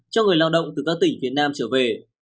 cho người lao động từ các tỉnh phía nam trở về